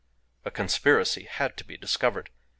A conspiracy had to be discovered.